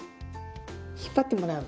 引っ張ってもらう。